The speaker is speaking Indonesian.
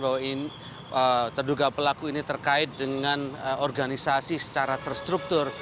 bahwa terduga pelaku ini terkait dengan organisasi secara terstruktur